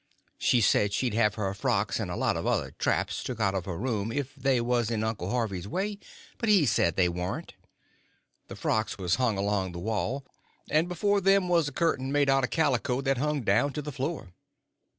She said she'd have her frocks and a lot of other traps took out of her room if they was in Uncle Harvey's way, but he said they warn't. The frocks was hung along the wall, and before them was a curtain made out of calico that hung down to the floor.